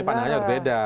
tapi pandangannya berbeda